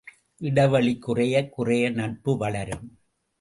இடைவெளி குறையக் குறைய நட்பு வளரும்.